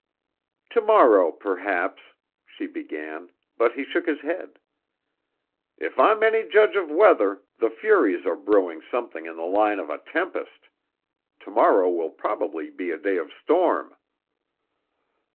"To morrow perhaps " she began, but he shook his head. "If I'm any judge of weather the furies are brewing something in the line of a tempest. To morrow will probably be a day of storm."